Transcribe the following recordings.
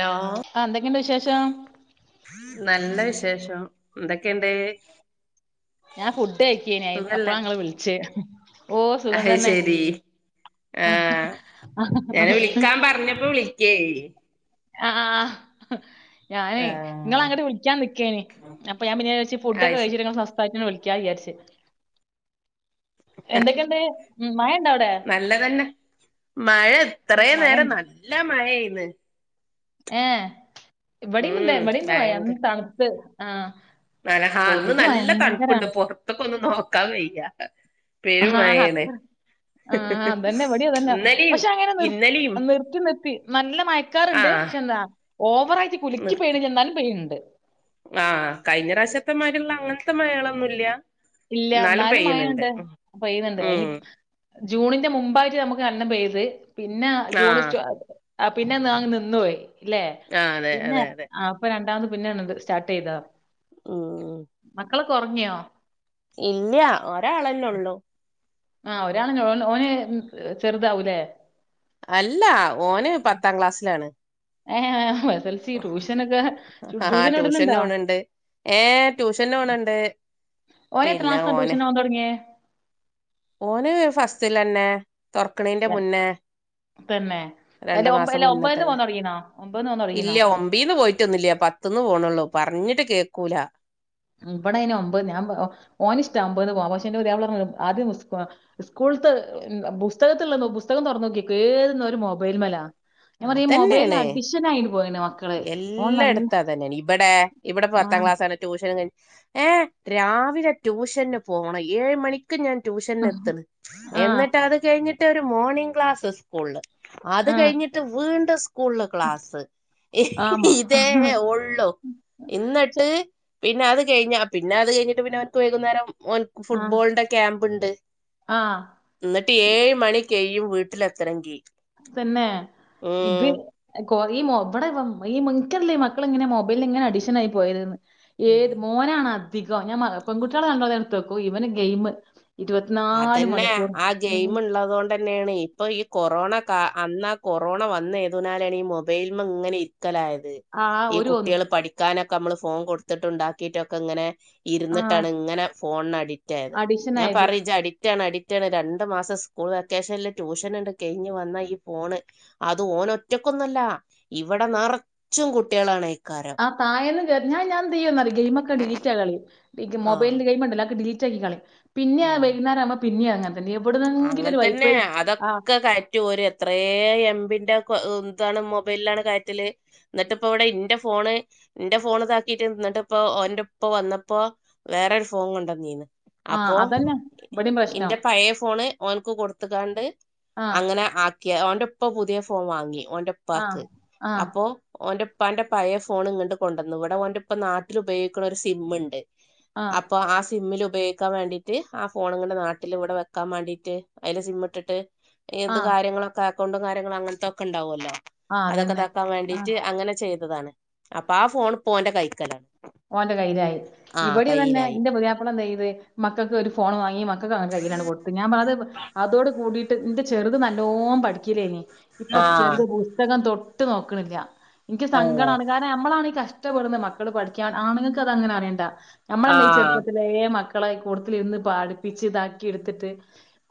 Law.. ആഹ് എന്തൊക്കെയുണ്ടോ വിശേഷം നല്ല വിശേഷം എന്തൊക്കെയുണ്ട് ഞാൻ ഫുഡ് കഴിക്കനായി അപ്പള സുഖല്ലേ അങ്ങള് വിളിച്ച് ഓ സുഖം അത് തന്നെ ശരി ആഹ് ഞാന് വിളിക്കാൻ പറഞ്ഞപ്പോ വിളിക്കേ [unintelligible] അഹ്‌ ആഹ് ഞാനേ നിങ്ങളൾ ആഹ് അങ്ങോട്ട് വിളാൻ നിക്ക്കാനി അപ്പ ഞാൻ പിന്നെ വെച്ച് ഫുഡ്ക്കെ അത് ശരി കഴിച്ചി പയറ്റ് ന്ന് വിളിക്ക വിചാരിച്ച്. എന്തൊക്കെണ്ട് മഴ ഇണ്ടോ അവിടെ നല്ലതന്നെ മഴ ഇത്ര ഉം മഴ നേരം നല്ല മഴയയിന്ന് ഏഹ്. ഇവടീംണ്ട് ഉം ഇവടീണ്ട് മഴ ന്ന് തണ്ത്ത്. ആഹ.. നാലഹ ഇന്ന് നല്ല തണ്പ്പുണ്ട് പൊറത്ത്കൊന്ന് നോക്കാവയ്യാ.. പെരുംമായേണ്.. ആഹ്.. അതന്നെ വിടിംഅതന്നെ. ഇന്നലെയും പഷെ അങ്ങനെ നിർ ഇന്നലെയും നിർത്തി നിർത്തി നല്ലമയ.. ക്കാറ്ണ്ട്. ആഹ് പഷെന്താ ഓവറായിട്ട് കുലുക്കി നിർത്തി പെയ്യ്ണില്ല. ന്നാലും പെയ്യ്ണ് ണ്ട്.. ആഹ് കഴിഞ്ഞറാശ്യത്തെമാരിള്ള അങ്ങൻത്തെ മയൊളൊന്നുല്ല്യ.. ഇല്ല. ന്നാലും മഴണ്ട് പെയ്യുന്നുണ്ട് അയ്നി.. ഉം ജൂണിന്റെ മുമ്പായിട്ട് നമ്മക്ക് നല്ലം പെയ്ത്. പിന്നെ ജൂണ് ആഹ് സ്റ്റോ ആ പിന്നെ ന്നാ നിന്നോയി ല്ലേ ആഹ് അതെ പിന്നെ അതെ അതെ ആം.. ഇപ്പൊ രണ്ടാമത് പിന്നെയാണ്ത് സ്റ്റാർട്ട് ചെയ്ത.. മ്മ്ഹ് ഹ്.. മക്കളൊകെഒറങ്ങിയോ.. ഇല്ല്യ ഒരാളെന്നെള്ളൂ.. ആഹ് ഒരാളന്നൊ ഓന്. മ്മ് ചെറുതാവുലെ.. അല്ല ഓന് പത്താ ക്ലാസ്സിലാണ്. ഏഹ ഹ് എ സ ൽ സി ട്യൂഷനൊക്കെ ട്യൂഷൻടുന്നുണ്ടോ.. ഏ ട്യൂഷന്നോണ് ണ്ട്.. ഒൻ എത്രളാസ്സ ട്യൂഷന് ഓവാൻ തൊടങ്ങി.. ഓന് ഫസ്റ്റലെന്നെ തൊർക്കണെന്റെ മുന്നേ.. തന്നെ അല്ല രണ്ടു ഒമ്പ് അല്ല ഒമ്പന്ന്പൊന്നൊ തൊടങ്ങിന്ന ഒമ്പത് പോന്നോടങ്ങീന്ന.. ഇല്ല്യ ഒമ്പീന്ന് പോയിട്ടൊന്നില്ല്യ പത്ത്ന്ന് പോണള്ളൂ പറഞ്ഞിട്ട് കേക്കൂല.. ഇബടെ അയിന് ഒൻമ്പ് ഞാൻ ഓനി ഇഷ്ടാ ഒമ്പ്ന്ന് പോവാൻ പഷെ ന്റെദ്യപ്പളാ പർണി ആദ്യം സ്.. സ്കൂള്ത്ത് പുസ്തകത്തിള്ള നോ പുസ്തകം തൊറന്നോക്കിക്കും ഏത് നേരം മൊബൈല്മല.. അതന്നേണ്. പോയിന് മക്കള് ഓൻ നല്ല എല്ലടത്തു അതന്നെണ് ഇബടെ.. ഇവിടെപ്പോ ആ പത്താം ക്ലാസ്സാണ് ട്യൂഷന ഏ് രാവിലെ ട്യൂഷന് പോണം ഏഴ് മണി.. ക്. ഞാൻ ട്യൂഷൻ എത്ത്ണ് ആ എന്നിട്ട് അത് കഴിഞ്ഞിട്ടൊരു മോർണിംഗ ക്ലാസ്സ്സ്സ്.. ക്കുള് അത് ആ കെഴിഞ്ഞിട്ട്.. വീണ്ടു സ്കൂള ക്ലാസ് ആ, ഹ്ഹ ആമാ ഇതേഒള്ളു.. പക്ഷെ ഇന്നട്ട് പിന്നെ അത് കഴിഞ്ഞ പിന്നെ അത് കഴിഞ്ഞിട്ട് പിന്നെ ഓൻക്ക് വൈകുന്നേരം ഓൻ.. ആ ഫുട്ബോൾന്റെ ക്യാമ്പ്ണ്ട്.. ആ ന്നട്ട് ഏഴ് മണി കെയ്യും വീട്ടിലെത്തണങ്കി.. തന്നെ ഇത്.. കൊ ഈ മൊ വടെപം ഇൻകറീല ഈ മക്കളെങ്ങനെ മൊബൽന് ങ്ങനഅഡിഷൻ ആയി പോയത് ന്ന് ഉം ഏത് മോനാണ് അധികം ഞാൻ മ്. പെൺകുട്ടിളെ നല്ലോം ടുത്ത്ക്കും ഇവൻ ഗെയിം ഇരുപത്തി.. അതന്നെ ആ ഗെയിമ്ള്ളതോണ്ട്... തന്നെയാണ് ഇപ്പൊ ഈ കൊറോണ കാ അന്നാ കൊറോണ വന്ന ഏതുനാലാണെ ഈ മൊബൈല്മ്മ ങ്ങനെ.. ക്കലായത്. ആ ഈ ഒരു ഒന്ന് കുട്ട്യോള് പഠിക്കാനൊക്കെ അമ്മള് ഫോൺ കൊടുത്തിട്ടുണ്ടാക്കിട്ടൊക്കെങ്ങനെ.. ആ ഇരുന്ന്ട്ടാണ് ഇങ്ങനെ ഫോണ് അഡിറ്റായത് അഡിഷൻ ഞാൻ ആയത് പറയു.. അഡിറ്റാണ് അഡിറ്റാണ് രണ്ട് മാസം സ്കൂൾ വെക്കേഷൻല് ട്യൂഷനണ്ട് കെയി ഞ്ഞ് വന്ന ഈ ഫോണ്.. അത് ഓൻ ഒറ്റക്കൊന്നല്ല. ഇവിടെ നറച്ചും കുട്ടിയാളാണേക്കാരം.. ആ താഴേന്ന് കേർ ഞാൻ ഞാൻ ന്തെയ്യുന്നറിയൊ ഗെയിമൊക്കെ ഡീലീറ്റാത് കളീം.. ഈ ആ മൊബൈൽ. ഗയിംണ്ടല്ലോ ആഹ്കെ ഡീലീറ്റാക്കി കളീം പിന്നി ആ വൈന്നേരവുബോ പിന്നി. അങ്ങനെ.. ന്നെ എവിടുന്നെങ്കിലൊരു വൈഫൈ ആ്.. റ്റ് ഓര് എത്രേ എംബിന്റെ കൊ താണ് മൊബൈൽലാണ് കയറ്റല്.. എന്നട്ട്പ്പോവിടെ ഇന്റെ ഫോണ് ന്റെ ഫോൺ താക്കിട്ട് എന്നിട്ട്പ്പോ ഓന്റെപ്പ വന്നപ്പോ.. വേറരു ഫോണ് കൊണ്ടന്നീന്ന് ആ അപ്പൊ അതന്നെ ഇവിടെയും പ്രശ്നം ഇന്റെ പയേ ഫ് ഫോണ് ഓന്ക്ക് കൊടുത്ത്ക്കാണ്ട് ആ അങ്ങനെ ആക്കിയ ഓന്റെപ്പ പുതിയേ ഫോൺ വാങ്ങി ഓന്റെ... ആ പ്പാക്ക്. ആ അപ്പോ ഓന്റെ.. ഇപ്പാന്റെ പഴേ ഫോണ് ങ്ങട്ട് കൊണ്ടന്ന്. വടെ ഓന്റെപ്പ നാട്ടിലുപയോഗിക്ണ ഒരു സിമ്മ്ണ്ട് ആപ്പ്.. ആ അപ്പ ആ സിമ്മിൽ ഉപയോഗിക്കാൻ വേണ്ടിട്ട് ആ ഫോണ്ങ്ങണ്ട് നാട്ടിലി വിടെ വെക്ക.. വക്കാൻ മേണ്ടീറ്റ് അതില് സിമ്മിട്ടിട്ട് ആ ഏത് കാര്യങ്ങളും. അക്കൗണ്ടും കാര്യങ്ങളും അങ്ങനത്തൊക്കെ ഉണ്ടാവൂല്ലോ ആ അതൊക്കെ അതന്നെ താക്കാൻ ആ വേണ്ടിട്ട് അങ്ങനെ ചെയ്തതാണ് അപ്പ ആ ഫോൺ ഇപ്പൊ ഓന്റെ കൈക്കലാണ്. ഓന്റെ കയ്ലായി ആ ഇവിടിതന്നെ കയ്യിലായി എന്റെ പുയ്യാപ്പള എന്തെയ്ത് മക്കൾക്കൊരു ഫോണ് വാങ്ങി മ തക്കം കൈയ്യിലങ്ങോട്ട് കൊടുത്ത് ഞാൻ പറഞ്ഞത് അതോട് കൂടീട്ട് ന്റെ ചെറുത് നല്ലോണം പഠിക്കിലേനി ആ ഇപ്പം ചെറുത് പുസ്തകം തൊട്ട് നോക്കണില്ല എനിക്ക് ആ സങ്കടാണ് കാര നമ്മളാണി കഷ്ടപ്പെടുന്നെ മക്കള് പഠിക്കാൻ ആണങ്ങക്കതങ്ങനെ അറിയണ്ട ആ നമ്മളല്ലേയീ ചെറുപ്പത്തിൽ ദേ മക്കളെ ഇകൂടത്തിലിരുന്ന് പഠിപ്പിച്ചിതാക്കിയെടുത്തിട്ട്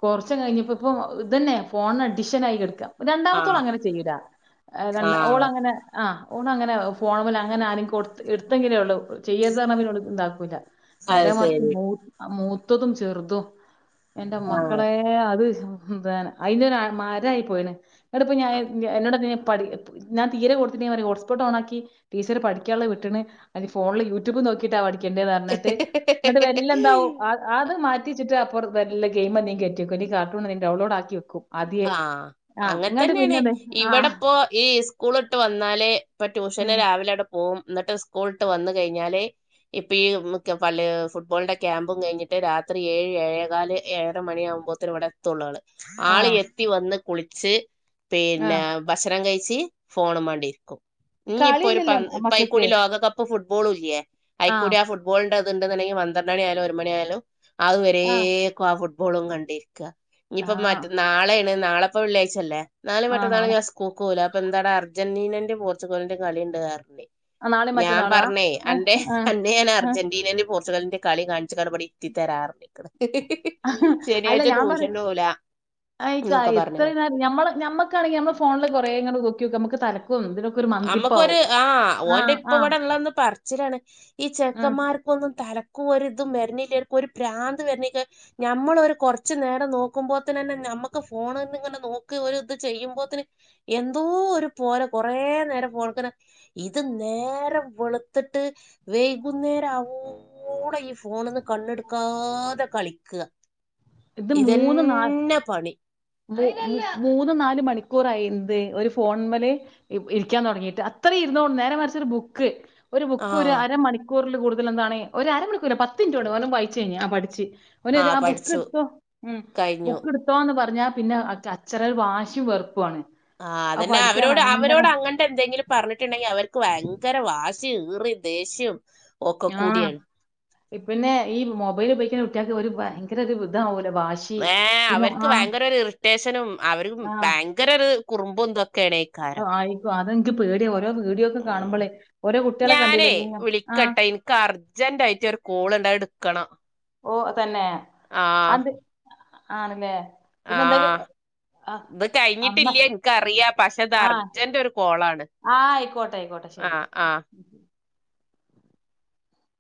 കൊറച്ചങ്ങ് കഴിഞ്ഞപ്പോ ഇപ്പോ ഇതന്നെ ഫോണ്ന് അഡിഷൻ ആയി കെടുക്കാ ആ രണ്ടാമത്തോളങ്ങനെ ചെയ്യൂലാ ആ രണ്ട ഓളങ്ങനെ ആഹ് ഓനങ്ങനെ ഫോണ് മൽങ്ങനെആരെങ്കിലും കൊടുത് ഇടുത്തങ്കിലേ ള്ളൂ ചെയര്‌ത് എന്ന് പറഞ്ഞ ൽ ഇതാക്കൂല അത് നേരെ മറിച്ച് ശരി മൂത്തതും ചെറുതും എൻ്റെ മക്കളേ അത് എന്താണ് അയിനരാ മരായി പോയണ് എന്നടപ്പ ഞാൻ എന്നോട് [unintelligible] ഞാൻ പഠിക്കു ഞാൻ തീരെ കൊടുത്തിട്ടവരെ ഹോട്ടസ്പോട്ടോണാക്കി ടീച്ചറ് പഠിക്കാനുള്ള വിട്ടണ് അതി ഫോണില് യൂട്യൂബ് നോക്കിട്ടാ പഠിക്കേണ്ടേന്ന് പറഞ്ഞട്ട് എന്നിട്ടല്ലെന്താവും ആ അത് മാറ്റിച്ചിട്ട [unintelligible] വേറലേ ഗെയിം എന്തെൻകിലു കാർട്ടൂണെ ഡൗൺലോഡാക്കി വക്കും ആഹ് അങ്ങനെ തന്നേണ് ആ ഇവടെപ്പോ ഈ സ്കൂള്ട്ട് വന്നാലേ ഇപ്പൊ ട്യൂഷന് ഉം രാവിലെ അവിടൊ ഓ എനി ട്ട് സ്കൂളിട്ട് വന്ന് കഴിഞ്ഞാലേ ഇപ്പം ഈ ഉമ്മക്ക് പള്ളി ഫുട്ബോളിന്റെ ക്യാമ്പും കഴിഞ്ഞിട്ട് രാത്രി ഏഴ് ഏഴേകാല് ഏഴര മണിയാവുമ്പോത്തെനിവിടെ ത്തുള്ളണ് ആ ആളെയെത്തി വന്ന് കുളിച്ച് ആ പിന്നെ ഭക്ഷണം കഴിച്ച് ഫോണുമാണ്ടിരിക്കും ഇനിയിപ്പൊ ഒരുപ കളിയില്ലല്ലോ മക്കൾക്ക് പൈക്കൂടി ലോകകപ്പ്‌ ഇപ്പൊ ഫുട്ബോളുല്ല്യേ ആ അയിക്കൂടെയാ ഫുട്ബോളിന്റെതിണ്ടെന്നുണ്ടെങ്കി പന്ത്രണ്ടണിയായാലും ഒരു മണിയായാലും ആ അതുവരേക്കു ആഫുട്ബോളും കണ്ടിരിക്കാ ആ ഇനിപ്പ മറ്റെന്നാ നാളെ ന്നെ നാളെപ്പ വെള്ളിയാഴ്ച്ചയല്ലേ നാളേം ആ മറ്റന്നാളും നാളെ ഞാൻ സ് കൊക്കൂല അപ്പൊന്താട അർജന്റീനൻ്റെം പോർച്ചുഗലിൻ്റെം കളിയുണ്ട രാത്രി. ആ നാളെയും മറ്റന്നാളും ആ ഞാമ്പറഞ്ഞേ അന്റെ ആ അന്നെ ഞാൻ ആ. അർജന്റീനൻ്റെ പോർച്ചുഗലിൻ്റെ കളി കാണിച്ച് കണപടിത്തിത്തരാറ ഇക്ക ഇഹ് ഇഹ് അല്ല ഞാൻ പറ ആയിക്ക എന്നൊക്കെ എത്ര പറഞ്ഞു നേരം ഞമ്മ്ള് ഞമ്മക്കാണെങ്കിൽ ഞമ്മള് ഫോണില് കൊറെങ്ങ നോക്കിയൊക്കെ നമുക്ക് തലക്കും ഒരു അമുക്കൊരു മന്തിപ്പാവും ആഹ് ഓൻ്റെ ഇപ്പവിടള്ളന്ന് പറിച്ചിലാണ് ഈ ഉം ചെക്കന്മാർ ഒന്നും തലക്കൊരിതും വരണില്ലെ ഒരു പ്രാന്ത് വരണില്ലേ ഞമ്മളൊരു കൊറച്ചു നേരം നോക്കുമ്പോത്തിനന്നെ ഞമ്മക്ക് ഫോണന്നിങ്ങനെ നോക്കി ഒരിത് ചെയ്യുമ്പോത്തിന് എന്തോ ഒരു പോലെ കൊറേ നേര പോക്കണ് ഇത് നേരം വെളുത്തിട്ട് വെയ്കുന്നേരം അവൂളം ഫോണന്ന് കണ്ണെടുക്കാതെ കളിക്കുക ഇത് മൂന്ന് നാ ഇതന്നെ പണി മൂ മൂന്ന് നാല് മണിക്കൂറായിന്ത് ഒരു ഫോൺമല് ഇ ഇരിക്കാൻ തുടങ്ങീട്ട് അത്രയും ഇരുന്നോ നേരെ മറിച്ചൊരു ബുക്ക് ഒരു ആ ബുക്കൊരു അരമണിക്കൂറിലു കൂടുതലെന്താണേ ഒരരമണിക്കൂർ പത്തിനിറ്റോടെ ഓനും വായിച്ച കഴിഞ്ഞ ആ പഠിച്ച് ഒനിത് ആ ബുക്കെടുത്തോ ഉം കഴിഞ്ഞു ബുക്ക് എടുത്തോന്ന് പറഞ്ഞാ പിന്നെ അച്ച അച്ചറൽ വാശിയും വെറുപ്പുവാണെ ആ അതന്നെ അവരോട് അവരോട് അങ്ങൻ എന്തെങ്കിലും പറഞ്ഞിട്ടിണ്ടെങ്കിയവർക്ക് ഭയങ്കര വാശീം ഈറി ദേഷ്യോം ഞാ ഇപിന്നെ ഈ മൊബൈലുപയോഗിക്കുന്ന കുട്ടികക്ക് ഒരു ഭയങ്കരൊരു ഇതാവൂല വാശി ഏഹ് പിന്നെ അവരക്ക് ആ ഭയങ്കരൊരു ഇറിറ്റേഷനും അവരു ഭയങ്കരൊരു കുറുമ്പുന്ത് ആയിക്കോ അതെനിക്ക് പേടിയോരോ വീഡിയോക്കെ ഉം. കാണുമ്പളേ ഓരോ കുട്ടിയളെ കണ്ടില്ലേ ഇങ്ങനെ ആഹ് ക്ക് അർജൻ്റായിട്ട് ഒരു കോളുണ്ടാ അ എടുക്കണം ഓ തന്നെ ആ അന്ദ് ആണല്ലേ ആ പിന്നെന്തൊക്കെ. ഇത് കഴിഞ്ഞിട്ടില്ല ഇനിക്കറിയാ പക്ഷെ ഇത് അർജന്റ് ഒരു കോളാണ്. ആഹ ആയിക്കോട്ടെ ആയിക്കോട്ടെ ആ ശെരി. ആ